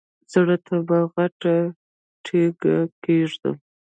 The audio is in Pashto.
زړه ته به غټه تیګه کېږدم.